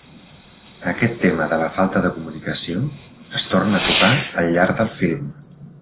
Aquest tema de la falta de comunicació es torna a tocar al llarg del film.